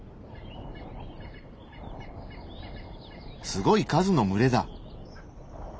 すごい数の群れだ。